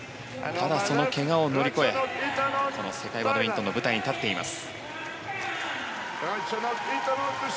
ただ、そのけがを乗り越え世界バドミントンの舞台に立っています。